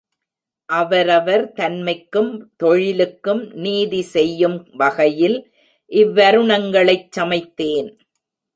அவரவர் தன்மைக்கும் தொழிலுக்கும் நீதி செய்யும் வகையில் இவ்வருணங்களைச் சமைத்தேன்.